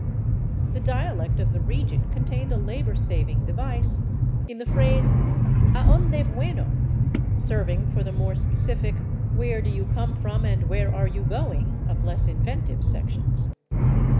The dialect of the region con tained a labor saving devise in the phrase " A 'onde vueno ?" serving for the more specific " Where do you come from and where are you going?" of less inventive sections.